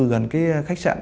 gần cái khách sạn